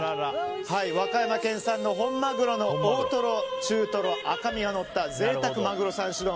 和歌山県産の本マグロの大トロ、中トロ、赤身がのった贅沢マグロ３種丼。